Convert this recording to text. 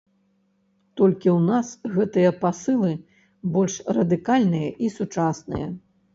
Толькі ў нас гэтыя пасылы больш радыкальныя і сучасныя.